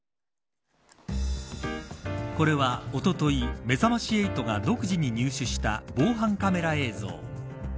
これはおととい、めざまし８が独自に入手した防犯カメラ映像。